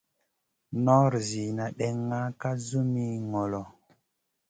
Nor zina ɗènŋa ka zumi ŋolo.